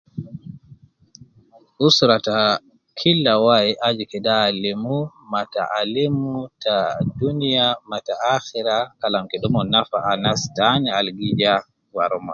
Usra ta Kila wai aju kede alimu ma taalim ta Dunia ma ta akhira Kalam kede umon nafa anas taan al gi ja wara umon.